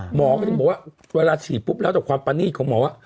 หมอก็จะบอกว่าเวลาฉีดปุ๊ปแล้วจากความประณีตของหมอ